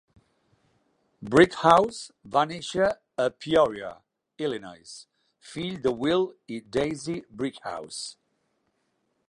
Brickhouse va néixer a Peoria, Illinois, fill de Will i Daisy Brickhouse.